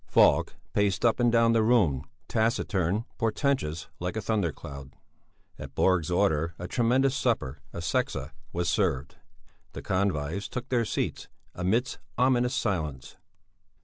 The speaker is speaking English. Falk paced up and down the room, taciturn, portentous like a thundercloud. At Borg's order a tremendous supper, a "sexa" was served. The convives took their seats amidst ominous silence.